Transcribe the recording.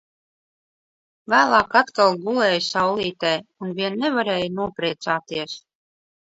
Vēlāk atkal gulēju saulītē un vien nevarēju nopriecāties.